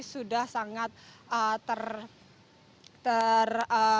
sudah sangat ter